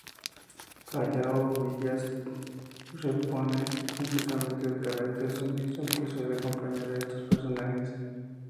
Hayao Miyazaki se opone completamente al carácter sumiso que suele acompañar a estos personajes.